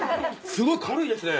すごい軽いですね！